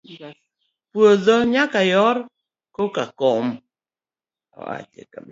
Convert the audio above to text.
Puodho nyaka yor koka kom.